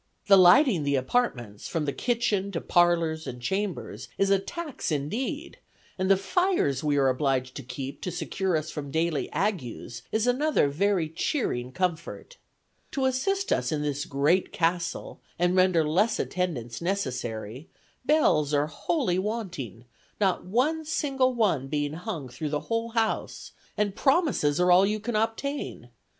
The lighting the apartments, from the kitchen to parlors and chambers, is a tax indeed; and the fires we are obliged to keep to secure us from daily agues is another very cheering comfort. To assist us in this great castle, and render less attendance necessary, bells are wholly wanting, not one single one being hung through the whole house, and promises are all you can obtain.